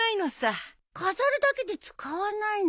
飾るだけで使わないの？